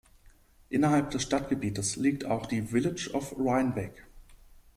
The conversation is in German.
Innerhalb des Stadtgebietes liegt auch die Village of Rhinebeck.